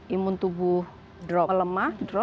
imun tubuh melemah